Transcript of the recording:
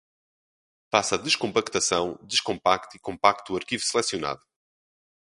Faça a descompactação, descompacte e compacte o arquivo selecionado